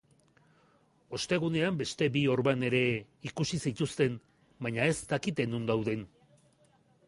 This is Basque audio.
Ostegunean beste bi orban ere ikusi zituzten, baina ez dakite non dauden.